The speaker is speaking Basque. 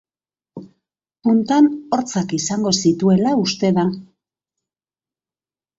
Puntan hortzak izango zituela uste da.